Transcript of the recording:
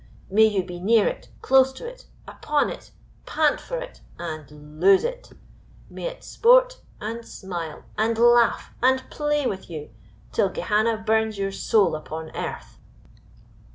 May you be near it, close to it, upon it, pant for it, and lose it; may it sport, and smile, and laugh, and play with you till Gehenna burns your soul upon earth!"